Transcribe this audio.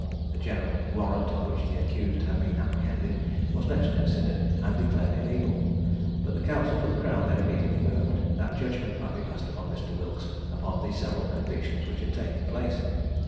The general warrant on which the accused had been apprehended was next considered and declared illegal; but the counsel for the crown then immediately moved that judgment might be passed upon Mr. Wilkes upon the several convictions which had taken place.